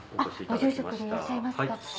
ご住職でいらっしゃいますか？